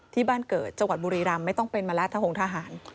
ที่บ้านเกิดจังหวัดบุรีรัมไม่ต้องเป็นมารัฐหงษ์ทหาร